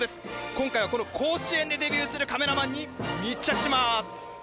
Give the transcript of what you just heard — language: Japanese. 今回はこの甲子園でデビューするカメラマンに密着します。